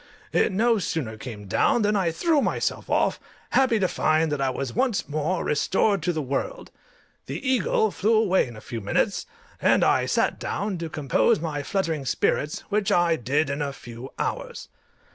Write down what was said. It no sooner came down than I threw myself off, happy to find that I was once more restored to the world. The eagle flew away in a few minutes, and I sat down to compose my fluttering spirits, which I did in a few hours.